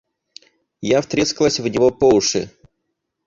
Я втрескалась в него по уши.